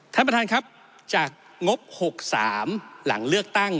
ท่านประธานครับจากงบ๖๓หลังเลือกตั้ง